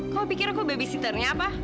kau pikir kok babysitternya apa